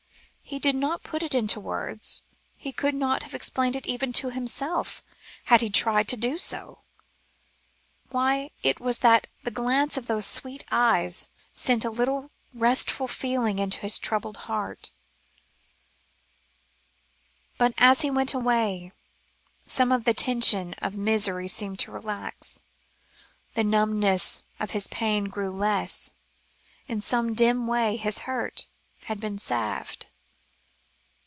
He did not put it into words; he could not have explained even to himself, had he tried to do so, why it was that the glance of those sweet eyes sent a little restful feeling into his troubled heart; but as he went away, some of the tension of misery seemed to relax, the numbness of his pain grew less; in some dim way his hurt had been salved.